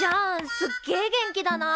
すっげえ元気だな。